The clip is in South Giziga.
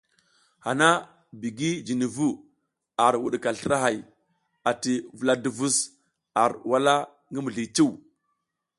Hana bigi jini vu, ar wuɗika slra hay ati vula duvus ar wala ngi mizli cuw.